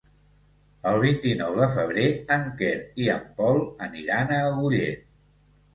El vint-i-nou de febrer en Quer i en Pol aniran a Agullent.